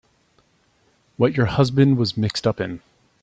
What your husband was mixed up in.